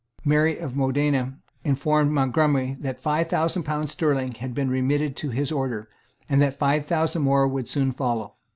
Mary of Modena informed Montgomery that five thousand pounds sterling had been remitted to his order, and that five thousand more would soon follow.